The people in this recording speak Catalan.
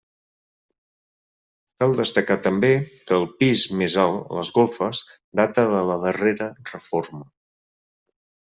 Cal destacar també que el pis més alt, les golfes, data de la darrera reforma.